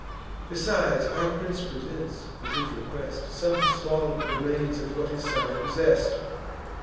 Besides, our prince presents, with his request, Some small remains of what his sire possess'd.